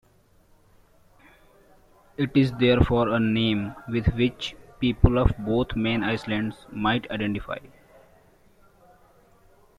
It is therefore a name with which people of both main islands might identify.